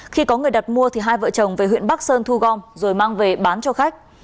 khi có người đặt mua thì hai vợ chồng về huyện bắc sơn thu gom rồi mang về bán cho khách